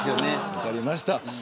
分かりました。